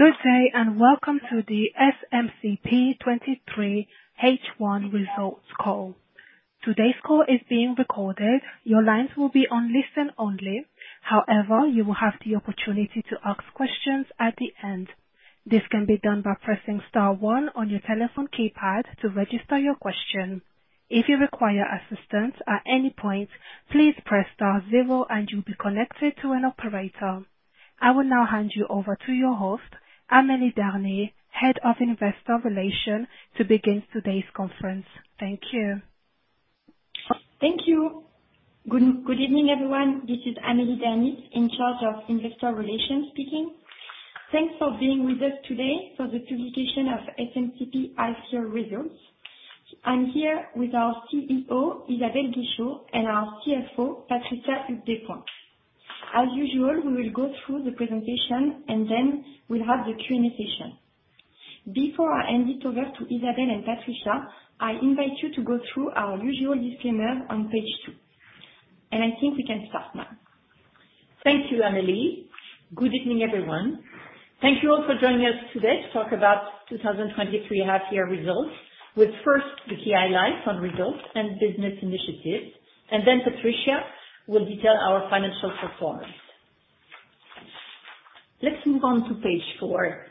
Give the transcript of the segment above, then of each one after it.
Good day, welcome to the SMCP 2023 H1 results call. Today's call is being recorded. Your lines will be on listen only. However, you will have the opportunity to ask questions at the end. This can be done by pressing star one on your telephone keypad to register your question. If you require assistance at any point, please press star zero, and you'll be connected to an operator. I will now hand you over to your host, Amélie Dernis, Head of Investor Relations, to begin today's conference. Thank you. Thank you. Good evening, everyone. This is Amélie Dernis, in charge of investor relations speaking. Thanks for being with us today for the publication of SMCP H1 results. I'm here with our CEO, Isabelle Guichot, and our CFO, Patricia Huyghues Despointes. As usual, we will go through the presentation, and then we'll have the Q&A session. Before I hand it over to Isabelle and Patricia, I invite you to go through our usual disclaimer on page 2, and I think we can start now. Thank you, Amélie. Good evening, everyone. Thank you all for joining us today to talk about 2023 half year results, with first the key highlights on results and business initiatives, Patricia will detail our financial performance. Let's move on to page 4,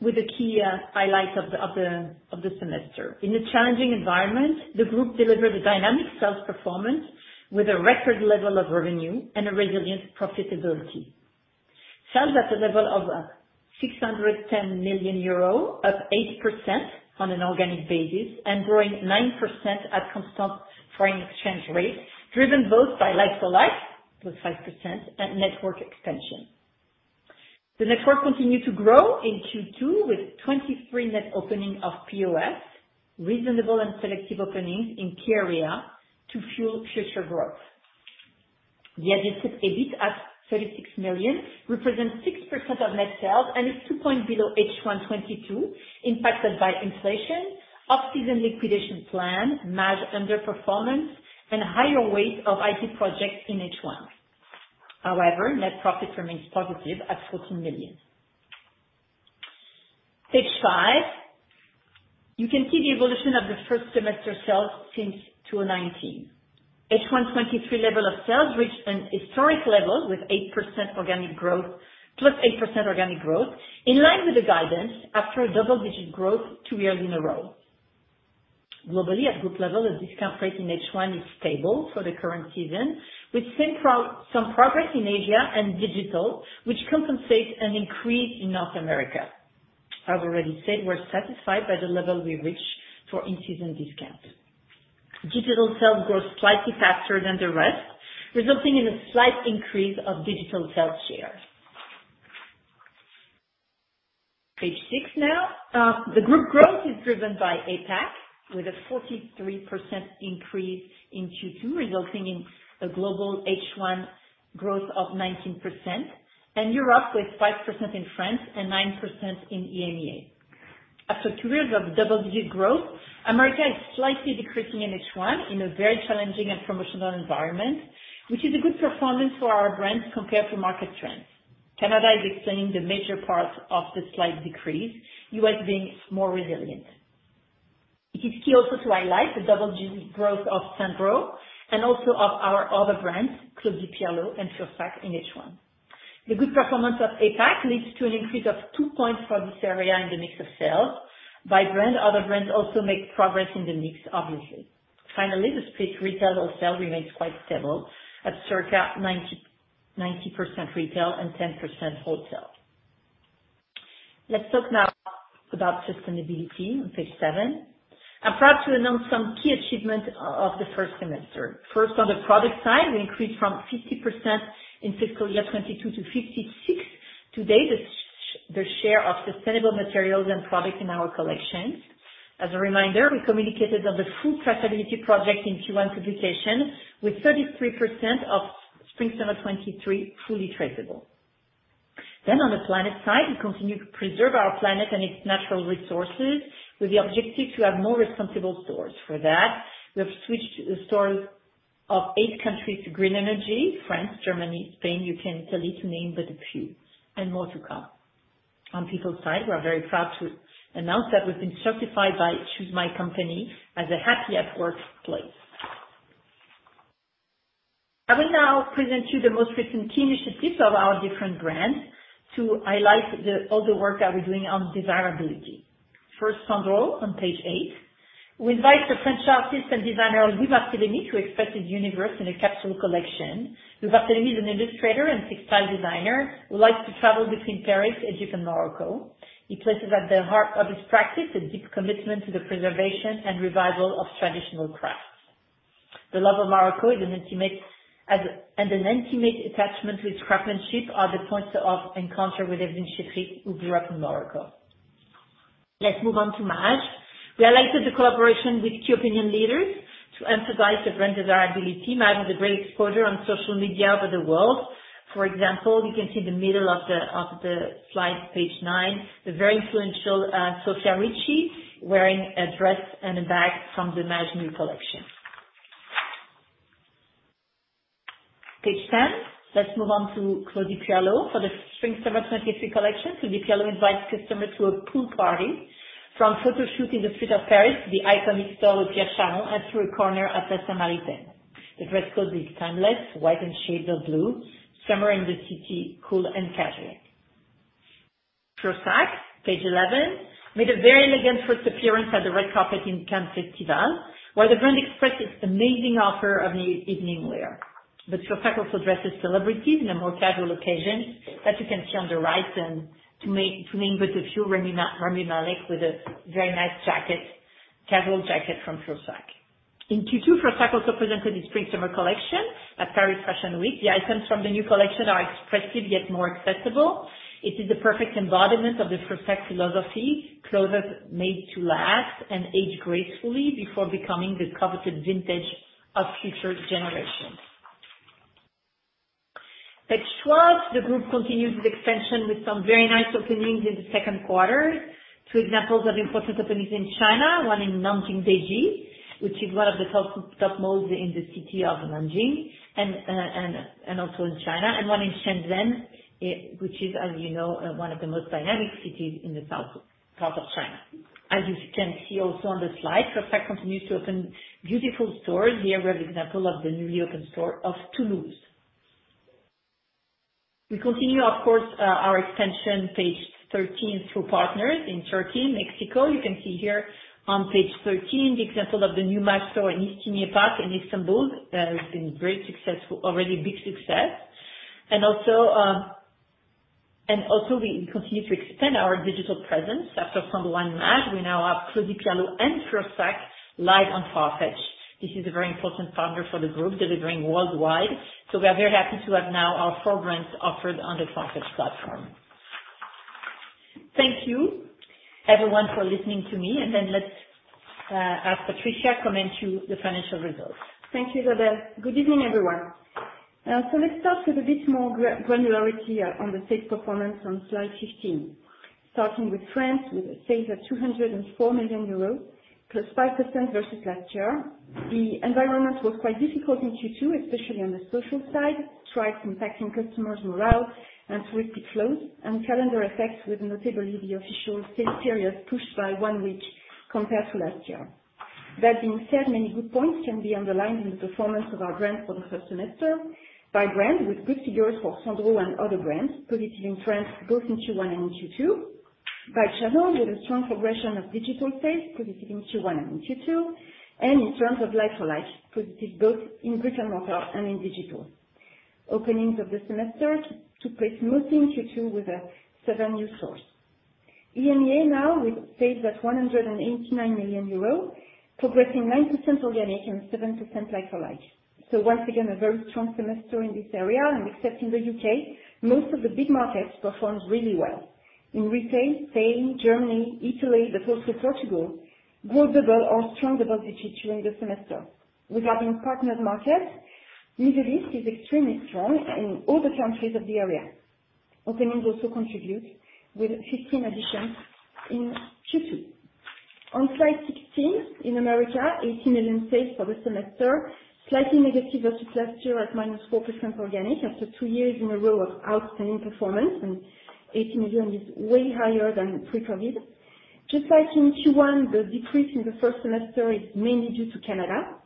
with the key highlights of the semester. In a challenging environment, the group delivered a dynamic sales performance, with a record level of revenue and a resilient profitability. Sales at the level of 610 million euro, up 8% on an organic basis, growing 9% at constant foreign exchange rate, driven both by like-for-like, +5%, and network expansion. The network continued to grow in Q2 with 23 net opening of POS, reasonable and selective openings in key area to fuel future growth. The adjusted EBIT at 36 million represents 6% of net sales and is 2 points below H1 '22, impacted by inflation, off-season liquidation plan, Maje underperformance, and higher weight of IT projects in H1. However, net profit remains positive at 14 million. Page 5, you can see the evolution of the first semester sales since 2019. H1 '23 level of sales reached an historic level, with +8% organic growth, in line with the guidance, after a double-digit growth 2 years in a row. Globally, at group level, the discount rate in H1 is stable for the current season, with some progress in Asia and digital, which compensates an increase in North America. I've already said we're satisfied by the level we reached for in-season discount. Digital sales grew slightly faster than the rest, resulting in a slight increase of digital sales share. Page 6 now. The group growth is driven by APAC, with a 43% increase in Q2, resulting in a global H1 growth of 19%, and Europe with 5% in France and 9% in EMEA. After 2 years of double-digit growth, America is slightly decreasing in H1 in a very challenging and promotional environment, which is a good performance for our brands compared to market trends. Canada is explaining the major parts of the slight decrease, U.S. being more resilient. It is key also to highlight the double-digit growth of Sandro, and also of our other brands, Claudie Pierlot and Fursac, in H1. The good performance of APAC leads to an increase of 2 points for this area in the mix of sales. By brand, other brands also make progress in the mix, obviously. The split retail/wholesale remains quite stable, at circa 90% retail and 10% wholesale. Let's talk now about sustainability on page seven. I'm proud to announce some key achievement of the first semester. First, on the product side, we increased from 50% in fiscal year 2022 to 56. Today, the share of sustainable materials and products in our collections. As a reminder, we communicated on the full traceability project in Q1 publication, with 33% of spring/summer 2023 fully traceable. On the planet side, we continue to preserve our planet and its natural resources, with the objective to have more responsible stores. For that, we have switched the stores of 8 countries to green energy, France, Germany, Spain, you can tell it to name but a few, and more to come. On people side, we're very proud to announce that we've been certified by ChooseMyCompany as a Happy at Work Place. I will now present to you the most recent key initiatives of our different brands, to highlight all the work that we're doing on desirability. First, Sandro on page 8. We invite the French artist and designer, Louis Barthélemy, to express his universe in a capsule collection. Louis Barthélemy is an illustrator and textile designer, who likes to travel between Paris, Egypt, and Morocco. He places at the heart of his practice, a deep commitment to the preservation and revival of traditional crafts. The love of Morocco is an intimate and an intimate attachment with craftsmanship are the points of encounter with Evelyn Chetrite, who grew up in Morocco. Let's move on to Maje. We highlighted the collaboration with key opinion leaders to emphasize the brand desirability. Maje has a great exposure on social media over the world. For example, you can see the middle of the, of the slide, page 9, the very influential Sofia Richie, wearing a dress and a bag from the Maje new collection. Page 10, let's move on to Claudie Pierlot. For the spring/summer 2023 collection, Claudie Pierlot invites customers to a pool party from photoshoot in the street of Paris, the iconic store of Pierre Molitor, and through a corner at La Samaritaine. The dress code is timeless, white, and shades of blue, summer in the city, cool and casual. Fursac, page 11, made a very elegant first appearance at the red carpet in Cannes Festival, where the brand expressed its amazing offer of evening wear. Fursac also dresses celebrities in a more casual occasion, as you can see on the right, and mingles with Tahar Rahim, Rami Malek, with a very nice jacket, casual jacket from Fursac. In Q2, Fursac also presented its spring/summer collection at Paris Fashion Week. The items from the new collection are expressive, yet more accessible. It is the perfect embodiment of the Fursac philosophy, clothes are made to last and age gracefully before becoming the coveted vintage of future generations. Page 12, the group continues its expansion with some very nice openings in the second quarter. Two examples of important openings in China, one in Nanjing Deji, which is one of the top malls in the city of Nanjing, and also in China, and one in Shenzhen, which is, as you know, one of the most dynamic cities in the south of China. As you can see also on the slide, Fursac continues to open beautiful stores. Here, we have example of the newly opened store of Toulouse. We continue, of course, our expansion, page 13, through partners in Turkey, Mexico. You can see here on page 13, the example of the new Maje store in Nisantasi in Istanbul, has been very successful, already a big success. Also, we continue to extend our digital presence. After Sandro and Maje, we now have Claudie Pierlot and Fursac live on Farfetch. This is a very important partner for the group, delivering worldwide, so we are very happy to have now our four brands offered on the Farfetch platform. Thank you, everyone, for listening to me, and then let's ask Patricia comment to you the financial results. Thank you, Isabelle. Good evening, everyone. Let's start with a bit more granularity on the sales performance on slide 15. Starting with France, with sales at 204 million euros, +5% versus last year. The environment was quite difficult in Q2, especially on the social side, strikes impacting customers' morale and touristy flows, and calendar effects, with notably the official sales period pushed by one week compared to last year. That being said, many good points can be underlined in the performance of our brand for the first semester. By brand, with good figures for Sandro and other brands, positive in France, both in Q1 and Q2. By channel, with a strong progression of digital sales, positive in Q1 and Q2, and in terms of like-for-like, positive both in brick-and-mortar and in digital. Openings of the semester to smooth in Q2 with 7 new stores. EMEA, now, with sales at 189 million euros, progressing 9% organic and 7% like-for-like. Once again, a very strong semester in this area, and except in the UK, most of the big markets performed really well. In retail, Spain, Germany, Italy, the Portugal, grew double or strong double digits during the semester. Regarding partnered markets, Middle East is extremely strong in all the countries of the area. Openings also contribute with 15 additions in Q2. On slide 16, in America, 18 million sales for the semester, slightly negative versus last year, at minus 4% organic, after two years in a row of outstanding performance, and 18 million is way higher than pre-COVID. Just like in Q1, the decrease in the first semester is mainly due to Canada.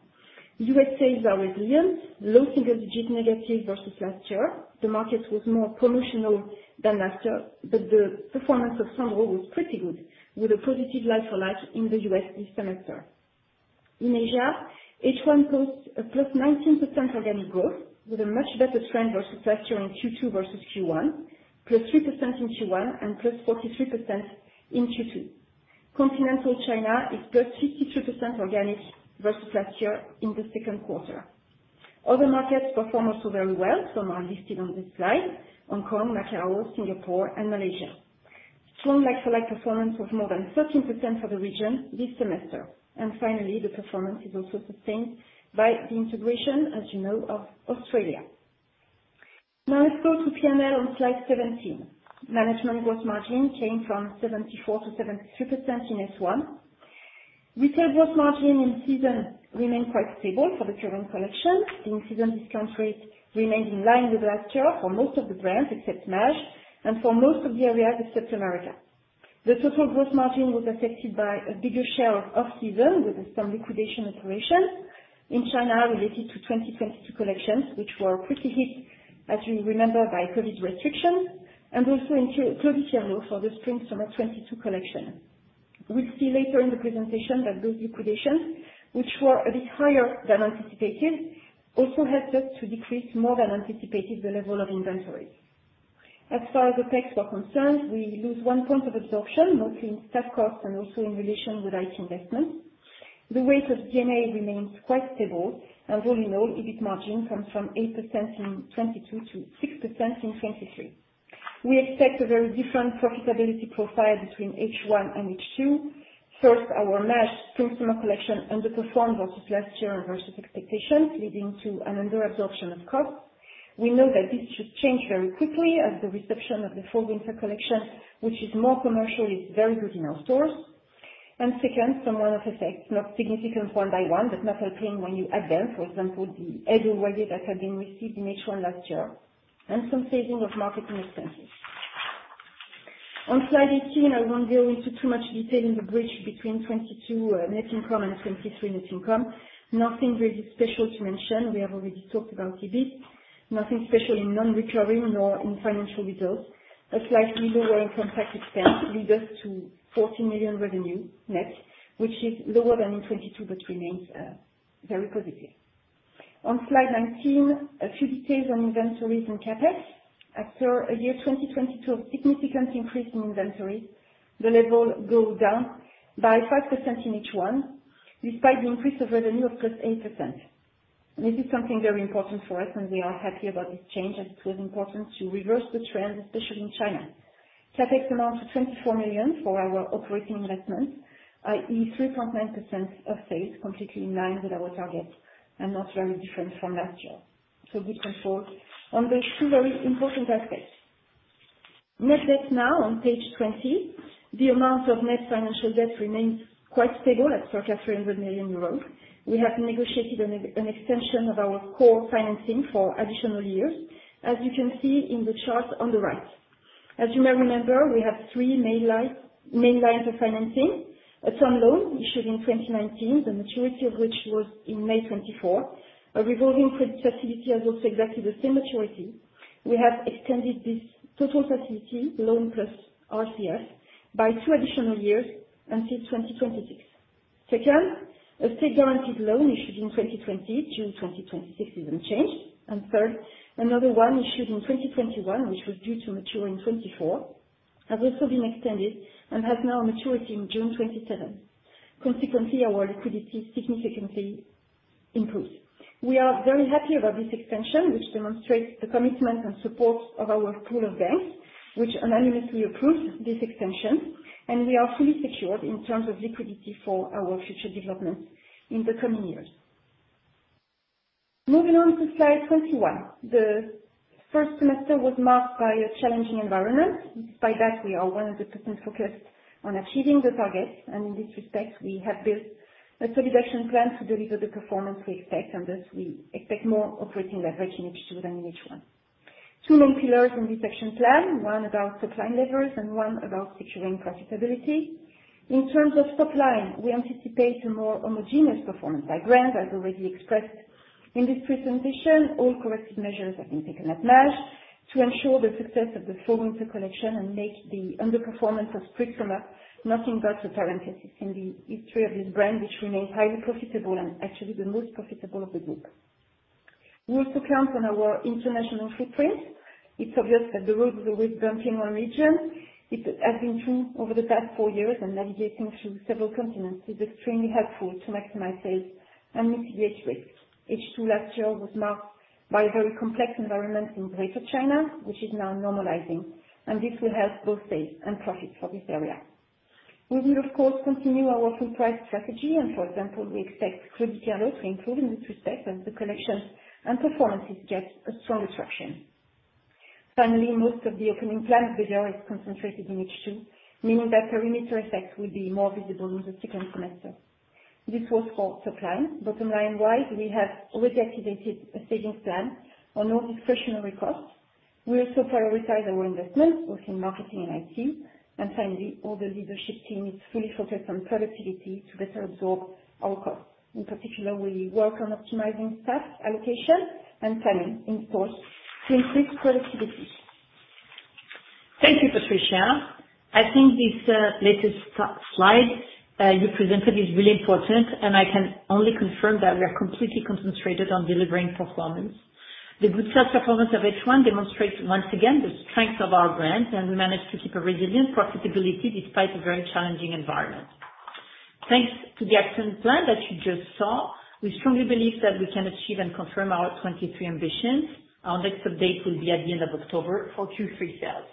USA sales are resilient, low single digits negative versus last year. The market was more promotional than last year, but the performance of Sandro was pretty good, with a positive like-for-like in the U.S. this semester. In Asia, H1 posts a +19% organic growth, with a much better trend versus last year on Q2 versus Q1, +3% in Q1 and +43% in Q2. Continental China is +52% organic versus last year in the second quarter. Other markets perform also very well. Some are listed on this slide, Hong Kong, Macau, Singapore, and Malaysia. Strong like-for-like performance of more than 13% for the region this semester. Finally, the performance is also sustained by the integration, as you know, of Australia. Now, let's go to P&L on slide 17. Management growth margin came from 74% to 73% in S1. Retail growth margin in season remained quite stable for the current collection. The in-season discount rate remained in line with last year for most of the brands, except Maje, and for most of the areas, except America. The total growth margin was affected by a bigger share of off-season, with some liquidation operations. In China, related to 2022 collections, which were pretty hit, as you remember, by COVID restrictions, and also in Claudie Pierlot for the spring/summer 22 collection. We'll see later in the presentation that those liquidations, which were a bit higher than anticipated, also helped us to decrease more than anticipated, the level of inventories. As far as OpEx were concerned, we lose one point of absorption, mostly in staff costs and also in relation with IT investments. The rate of GMA remains quite stable, all in all, EBIT margin comes from 8% in 2022 to 6% in 2023. We expect a very different profitability profile between H1 and H2. First, our Maje spring/summer collection underperformed versus last year versus expectations, leading to an under absorption of costs. We know that this should change very quickly, as the reception of the fall/winter collection, which is more commercial, is very good in our stores. Second, some one-off effects, not significant one by one, but not helping when you add them. For example, the that had been received in H1 last year, and some saving of marketing expenses. On slide 18, I won't go into too much detail in the bridge between 2022 net income and 2023 net income. Nothing really special to mention, we have already talked about EBIT. Nothing special in non-recurring, nor in financial results. A slight lower working capital expense lead us to 40 million revenue net, which is lower than in 2022, but remains very positive. On slide 19, a few details on inventories and CapEx. After a year, 2022, a significant increase in inventory, the level goes down by 5% in H1, despite the increase of revenue of just 8%. This is something very important for us, and we are happy about this change, as it was important to reverse the trend, especially in China. CapEx amounts to 24 million for our operating investment, i.e., 3.9% of sales, completely in line with our target and not very different from last year. Good control on the two very important aspects. Net debt now on page 20. The amount of net financial debt remains quite stable at circa 300 million euros. We have negotiated an extension of our core financing for additional years, as you can see in the chart on the right. As you may remember, we have 3 main lines of financing. A term loan issued in 2019, the maturity of which was in May 2024. A revolving credit facility has also exactly the same maturity. We have extended this total facility, loan plus RCF, by 2 additional years until 2026. Second, a state-guaranteed loan issued in 2020, due in 2026, remains unchanged. Third, another one issued in 2021, which was due to mature in 2024, has also been extended and has now maturity in June 2027. Consequently, our liquidity significantly improves. We are very happy about this extension, which demonstrates the commitment and support of our pool of banks, which unanimously approved this extension, and we are fully secured in terms of liquidity for our future development in the coming years. Moving on to slide 21. The first semester was marked by a challenging environment. By that, we are 100% focused on achieving the targets, and in this respect, we have built a solid action plan to deliver the performance we expect, and thus we expect more operating leverage in H2 than in H1. Two main pillars in this action plan, one about top line levers and one about securing profitability. In terms of top line, we anticipate a more homogeneous performance by brand. As already expressed in this presentation, all corrective measures have been taken at Maje to ensure the success of the fall winter collection, and make the underperformance of Printemps nothing but a parenthesis in the history of this brand, which remains highly profitable and actually the most profitable of the group. We also count on our international footprint. It's obvious that the world is with beyond one region. It has been true over the past four years, and navigating through several continents is extremely helpful to maximize sales and mitigate risk. H2 last year was marked by a very complex environment in greater China, which is now normalizing, and this will help both sales and profit for this area. We will, of course, continue our full price strategy and for example, we expect Claudie Pierlot to improve in this respect, and the collections and performances get a strong attraction. Most of the opening plan of Bijou is concentrated in H2, meaning that perimeter effect will be more visible in the second semester. This was for top line. Bottom line-wise, we have already activated a savings plan on all discretionary costs. We also prioritize our investments within marketing and IT. Finally, all the leadership team is fully focused on productivity to better absorb all costs. In particular, we work on optimizing staff allocation and talent in store to increase productivity. Thank you, Patricia. I think this latest slide you presented is really important, I can only confirm that we are completely concentrated on delivering performance. The good sales performance of H1 demonstrates once again the strength of our brands. We managed to keep a resilient profitability despite a very challenging environment. Thanks to the action plan that you just saw, we strongly believe that we can achieve and confirm our 2023 ambitions. Our next update will be at the end of October for Q3 sales.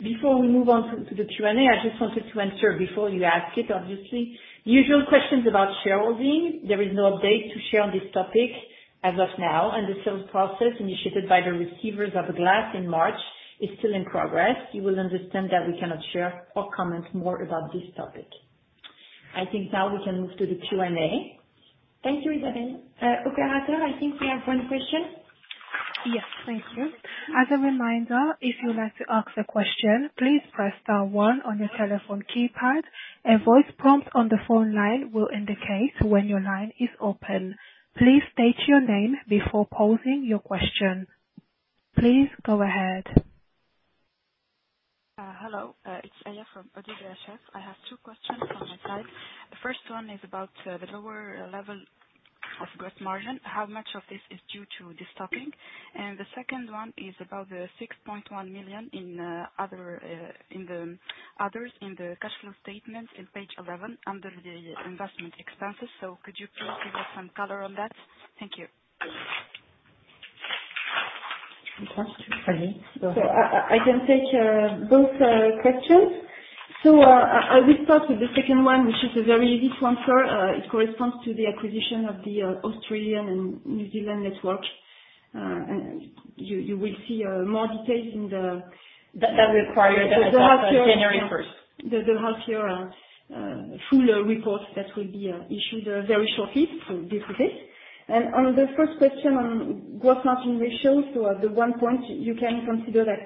Before we move on to the Q&A, I just wanted to answer before you ask it, obviously. Usual questions about shareholding. There is no update to share on this topic as of now. The sales process, initiated by the receivers of Glass in March, is still in progress. You will understand that we cannot share or comment more about this topic. I think now we can move to the Q&A. Thank you, Isabelle. Operator, I think we have one question. Yes, thank you. As a reminder, if you would like to ask a question, please press star one on your telephone keypad. A voice prompt on the phone line will indicate when your line is open. Please state your name before posing your question. Please go ahead. Hello, it's Ella from ODDO BHF. I have two questions on my side. The first one is about the lower level of gross margin. How much of this is due to the stocking? The second one is about the 6.1 million in other in the others, in the cash flow statement on page 11, under the investment expenses. Could you please give us some color on that? Thank you. You want I can take both questions. I will start with the second one, which is a very easy answer. It corresponds to the acquisition of the Australian and New Zealand network, and you will see more details in the That require the January first. The half year fuller report that will be issued very shortly, so be patient. On the first question on gross margin ratio, so at the one point, you can consider that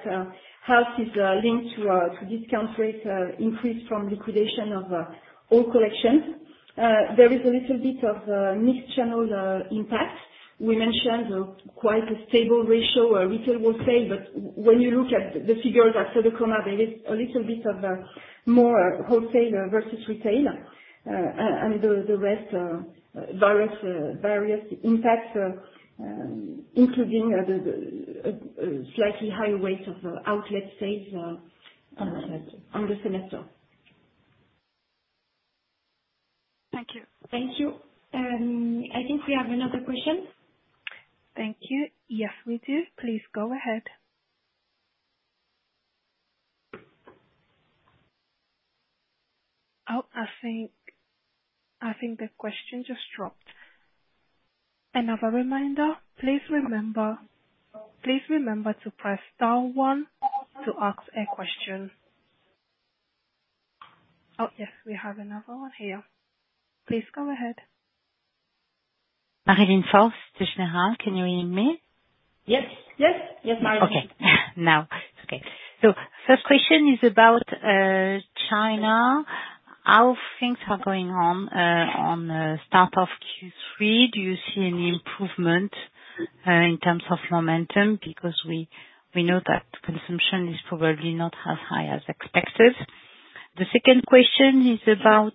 half is linked to discount rate increase from liquidation of old collection. There is a little bit of mixed channel impact. We mentioned quite a stable ratio or retail sale, but when you look at the figures after the corona, there is a little bit of more wholesaler versus retailer. The rest, various various impacts, including the slightly higher rate of outlet sales. On the semester. On the semester. Thank you. Thank you. I think we have another question. Thank you. Yes, we do. Please go ahead. I think the question just dropped. Another reminder, please remember to press star one to ask a question. Yes, we have another one here. Please go ahead. Marilyne Denis, Schneider. Can you hear me? Yes. Yes. Yes, Marilyne Okay. Now, it's okay. First question is about China. How things are going on on the start of Q3? Do you see any improvement in terms of momentum? Because we know that consumption is probably not as high as expected. The second question is about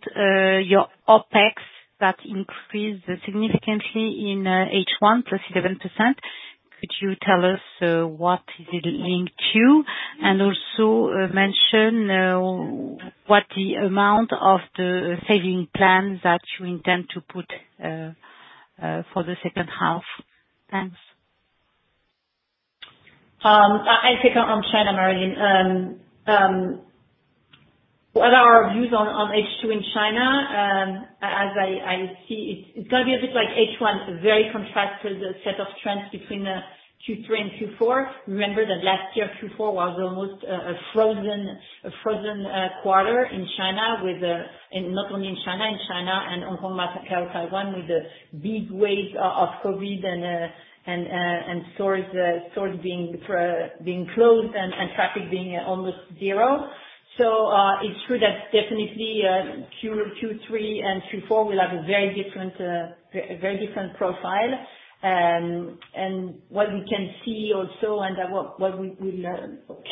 your OpEx, that increased significantly in H1, plus 11%. Could you tell us what is it linked to? Also, mention what the amount of the saving plans that you intend to put for the second half. Thanks. I think on China, Marilyne, what are our views on H2 in China? As I see, it's gonna be a bit like H1, very contrasting the set of trends between Q3 and Q4. Remember that last year, Q4 was almost a frozen quarter in China with not only in China, in China and Hong Kong, Macao, Taiwan, with the big wave of COVID and stores being closed and traffic being almost zero. It's true that definitely Q3 and Q4 will have a very different profile. What we can see also, what we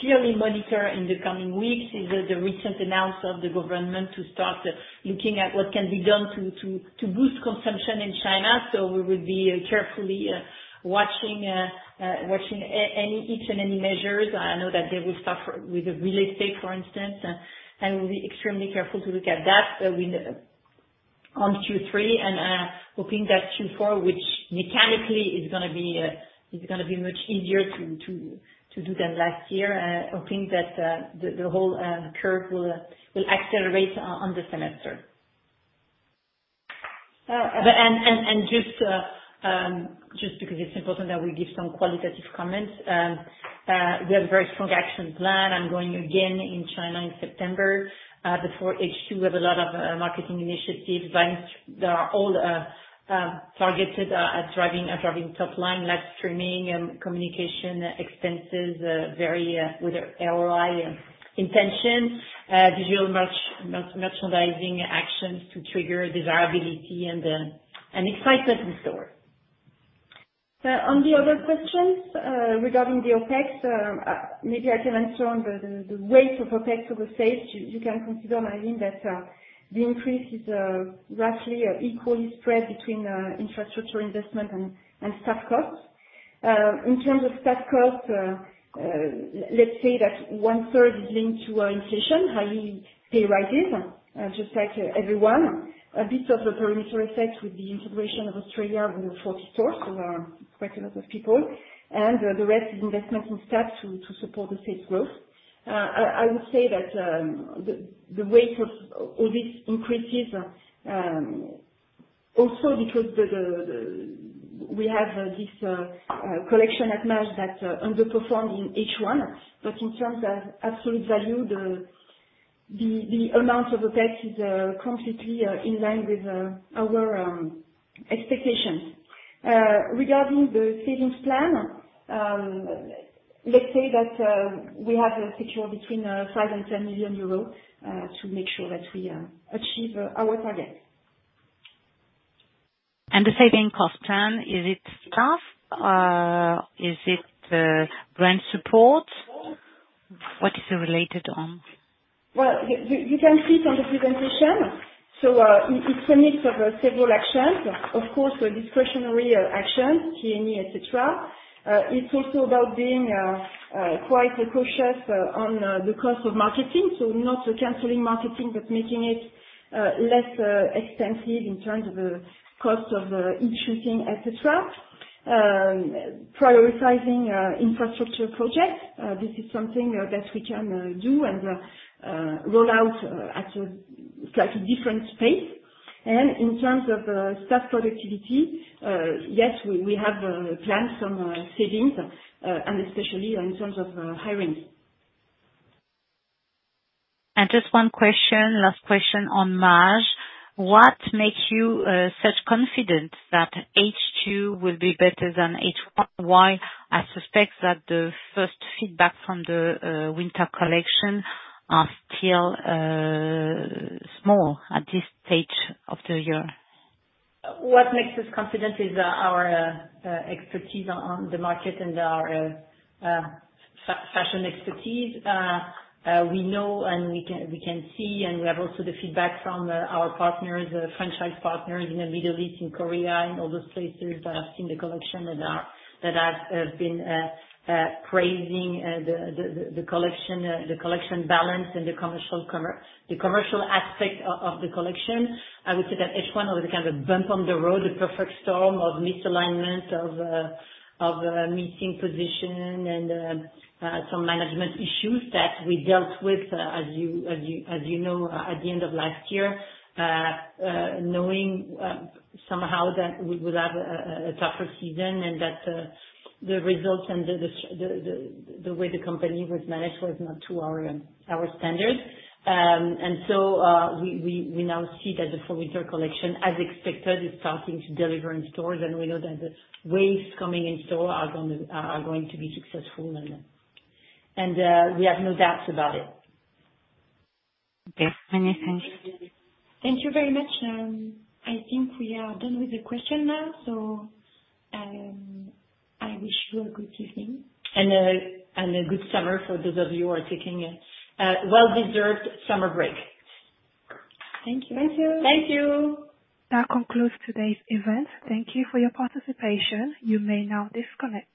clearly monitor in the coming weeks, is the recent announce of the government to start looking at what can be done to boost consumption in China. We will be carefully watching any, each and any measures. I know that they will start with the real estate, for instance. We'll be extremely careful to look at that on Q3, hoping that Q4, which mechanically is gonna be much easier to do than last year, hoping that the whole curve will accelerate on the semester. Just because it's important that we give some qualitative comments, we have a very strong action plan. I'm going again in China in September before H2, we have a lot of marketing initiatives, but they are all targeted at driving top line, live streaming and communication expenses, very with ROI intention. Digital merchandising actions to trigger desirability and excitement in store. On the other questions regarding the OpEx, maybe I can answer on the rate of OpEx of the sales. You can consider, Mariline, that the increase is roughly equally spread between infrastructure investment and staff costs. In terms of staff costs, let's say that one third is linked to inflation, high pay rises, just like everyone. A bit of the perimeter effect with the integration of Australia with 40 stores, so quite a lot of people. The rest is investment in staff to support the sales growth. I would say that the rate of all these increases, also because we have this collection at Maje that underperformed in H1. In terms of absolute value, the amount of OpEx is completely in line with our expectations. Regarding the savings plan, let's say that we have secured between 5 million and 10 million euros to make sure that we achieve our targets. The saving cost plan, is it staff? Is it brand support? What is it related on? Well, you can see it on the presentation. It's a mix of several actions. Of course, a discretionary actions, P&E, et cetera. It's also about being quite cautious on the cost of marketing. Not canceling marketing, but making it less expensive in terms of the cost of each shooting, et cetera. Prioritizing infrastructure projects, this is something that we can do and roll out at a slightly different pace. In terms of staff productivity, yes, we have planned some savings, and especially in terms of hiring. Just one question, last question on Maje: What makes you such confident that H2 will be better than H1? Why, I suspect, that the first feedback from the winter collection are still small at this stage of the year. What makes us confident is our expertise on the market and our fashion expertise. We know, and we can see, and we have also the feedback from our partners, franchise partners in the Middle East, in Korea, and all those places that have seen the collection and that have been praising the collection, the collection balance and the commercial aspect of the collection. I would say that H1 was a kind of a bump on the road, the perfect storm of misalignment, of missing position and some management issues that we dealt with as you know at the end of last year. Knowing somehow that we would have a tougher season and that the results and the way the company was managed was not to our standards. We now see that the fall-winter collection, as expected, is starting to deliver in stores, and we know that the waves coming in store are going to be successful, and we have no doubts about it. Okay, thank you. Thank you very much. I think we are done with the question now, so, I wish you a good evening. A good summer for those of you who are taking a well-deserved summer break. Thank you. Thank you. Thank you! That concludes today's event. Thank you for your participation. You may now disconnect.